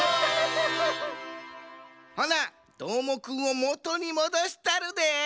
ほなどーもくんをもとにもどしたるで。